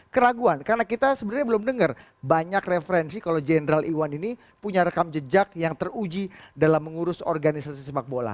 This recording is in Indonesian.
keraguan karena kita sebenarnya belum dengar banyak referensi kalau jenderal iwan ini punya rekam jejak yang teruji dalam mengurus organisasi sepak bola